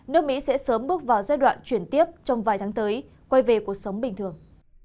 nước mỹ sẽ sớm bước vào giai đoạn chuyển tiếp trong vài tháng tới quay về cuộc sống bình thường